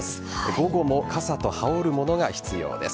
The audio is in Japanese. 午後も傘と羽織るものが必要です。